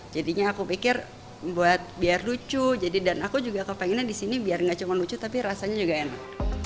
jadinya aku pikir biar lucu jadi dan aku juga kepengennya di sini biar nggak cuma lucu tapi rasanya juga enak